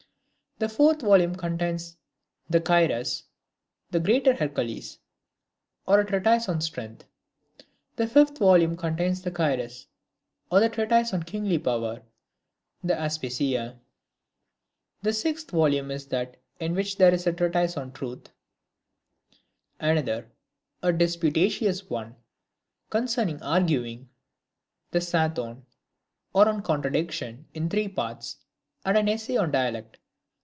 The fourth volume contains the Cyrus ; the Greater Heracles, or a treatise on Strength. The fifth volume contains the Cyrus, or a treatise on Kingly Power ; the Aspasia. The sixth volume is that in which there is the treatise Truth; another (a disputatious one) concerning Arguing; the Sathon, or on Contradiction, in three parts ; and an essay on Dialect.